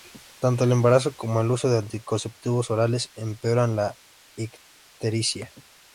Tanto el embarazo como el uso de anticonceptivos orales empeoran la ictericia.